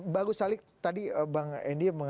bagus salih tadi bang endi